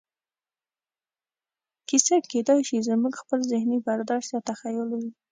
کیسه کېدای شي زموږ خپل ذهني برداشت یا تخیل وي.